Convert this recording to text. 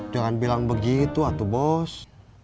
jangan bilang begitu atu bos